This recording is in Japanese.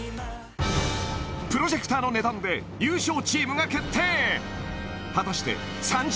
プロジェクターの値段で優勝チームが決定！